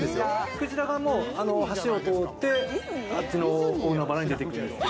クジラが橋を通ってあっちの大海原に出てくる。